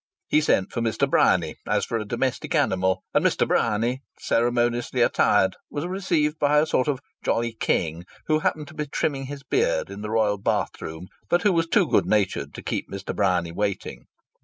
He sent for Mr. Bryany, as for a domestic animal, and Mr. Bryany, ceremoniously attired, was received by a sort of jolly king who happened to be trimming his beard in the royal bathroom but who was too good natured to keep Mr. Bryany waiting.